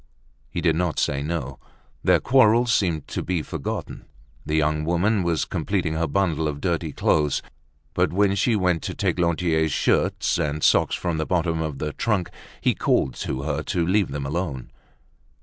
He did not say no. Their quarrel seemed to be forgotten. The young woman was completing her bundle of dirty clothes. But when she went to take Lantier's shirts and socks from the bottom of the trunk, he called to her to leave them alone.